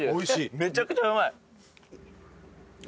めちゃくちゃうまい。